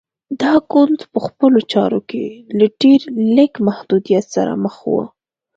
دا ګوند په خپلو چارو کې له ډېر لږ محدودیت سره مخ و.